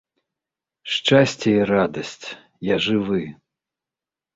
Шчасце і радасць, я жывы!